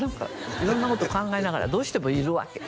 色んなこと考えながらどうしてもいるわけ